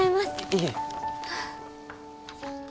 いえ。